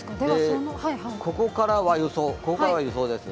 ここからは予想です。